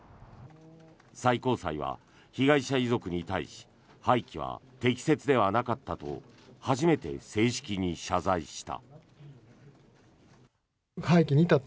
最高裁は被害者遺族に対し廃棄は適切ではなかったと初めて正式に謝罪した。